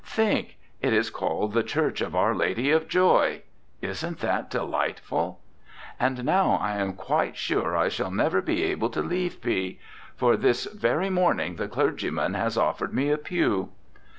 Think: it is called the Church of Our Lady of Joy Isn't that delightful? And now RECOLLECTIONS OF OSCAR WILDE I am quite sure I shall never be able to leave B , for this very morning the clergyman has offered me a pew!